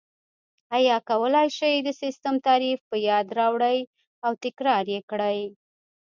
ایا کولای شئ د سیسټم تعریف په یاد راوړئ او تکرار یې کړئ؟